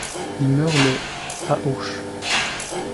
Il meurt le à Auch.